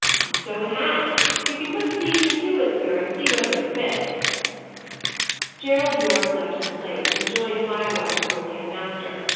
And so it has. You can put the piece into it, sir, and see whether it fits." Gerald Yorke left his place, and joined Bywater before the head master.